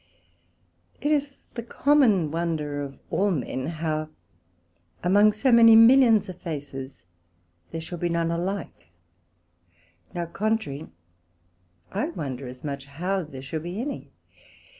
It is the common wonder of all men, how among so many millions of faces, there should be none alike: Now contrary, I wonder as much how there should be any.